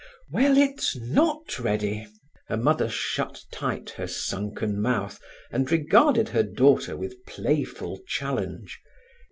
"Well, it's not ready." The mother shut tight her sunken mouth, and regarded her daughter with playful challenge.